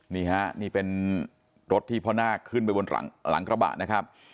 นี่ฮะนี่เป็นรถที่พ่อนาคขึ้นไปบนหลังกระบะนะครับ